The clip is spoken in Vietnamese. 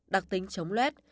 đặc tính chống luet